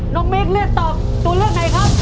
มิคเลือกตอบตัวเลือกไหนครับ